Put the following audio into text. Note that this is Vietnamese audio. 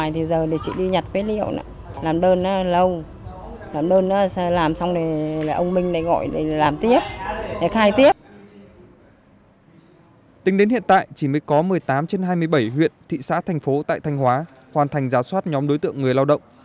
tính đến hiện tại chỉ mới có một mươi tám trên hai mươi bảy huyện thị xã thành phố tại thanh hóa hoàn thành giả soát nhóm đối tượng người lao động